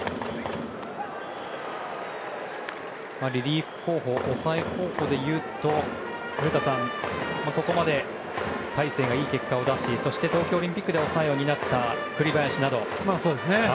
リリーフ候補、抑え候補でいうと古田さん、ここまで大勢がいい結果を出しそして、東京オリンピックで抑えを担った栗林など。